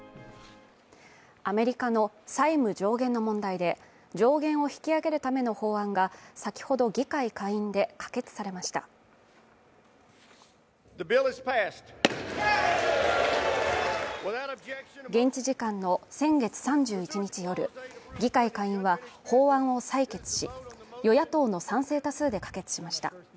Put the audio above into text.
アメリカの債務上限の問題で上限を引き上げるための法案が、先ほど議会下院で可決されました現地時間の先月３１日夜、議会下院は法案を採決し、与野党の賛成多数で可決しました。